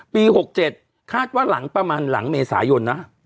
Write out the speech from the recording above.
ปี๖๗ก็ค่าว่าหลังประมาณเมษายนนะ